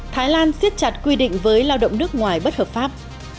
thái lan siết chặt quy định với lao động nước ngoài bất hợp pháp